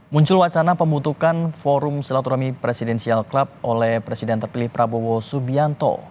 muncul wacana pembentukan forum silaturahmi presidensial club oleh presiden terpilih prabowo subianto